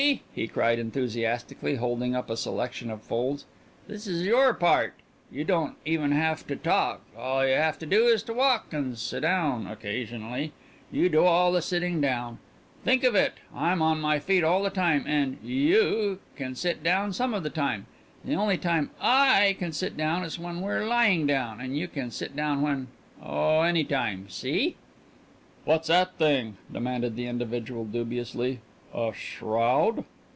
he cried enthusiastically, holding up a selection of folds. "This is your part. You don't even have to talk. All you have to do is to walk and sit down occasionally. You do all the sitting down. Think of it. I'm on my feet all the time and you can sit down some of the time. The only time I can sit down is when we're lying down, and you can sit down when oh, any time. See?" "What's 'at thing?" demanded the individual dubiously. "A shroud?"